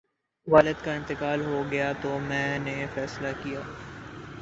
والد کا انتقال ہو گیا تو میں نے فیصلہ کیا